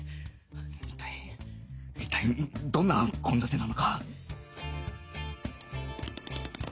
一体一体どんな献立なのか？